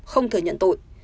không thừa nhận tội